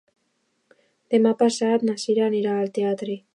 Demà passat na Sira anirà al teatre.